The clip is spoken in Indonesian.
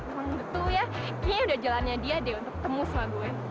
emang betul ya kayaknya udah jalannya dia deh untuk temu sama gue